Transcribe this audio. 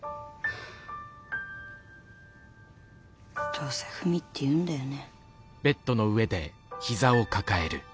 どうせ文って言うんだよね。